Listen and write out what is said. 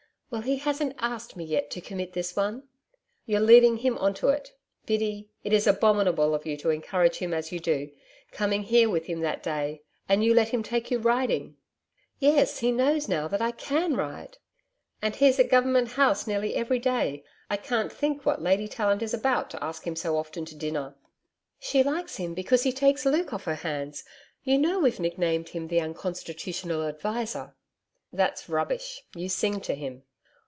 'Well, he hasn't asked me yet to commit this one.' 'You're leading him on to it. Biddy, it is abominable of you to encourage him as you do coming here with him that day.... And you let him take you riding....' 'Yes, he knows now that I CAN ride.' 'And he's at Government House nearly every day I can't think what Lady Tallant is about to ask him so often to dinner.' 'She likes him because he takes Luke off her hands. You know we've nick named him the Unconstitutional Adviser.' 'That's rubbish. You sing to him.'